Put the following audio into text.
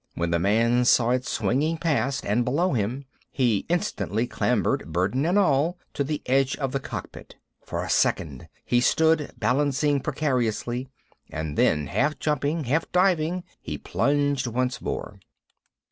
When the man saw it swinging past and below him, he instantly clambered, burden and all, to the edge of the cockpit. For a second he stood, balancing precariously; and then, half jumping, half diving, he plunged once more.